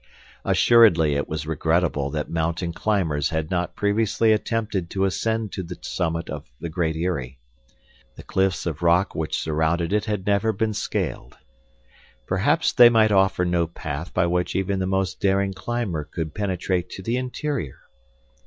Assuredly it was regrettable that mountain climbers had not previously attempted to ascend to the summit of the Great Eyrie. The cliffs of rock which surrounded it had never been scaled. Perhaps they might offer no path by which even the most daring climber could penetrate to the interior.